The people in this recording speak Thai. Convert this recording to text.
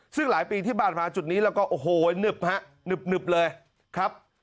ซึ่งหลายปีที่ผ่านมาจุดนี้แล้วก็โอ้โหหนึบฮะหนึบเลยครับ